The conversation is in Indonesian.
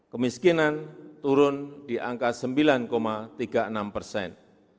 kemiskinan turun di angka sembilan tiga puluh enam persen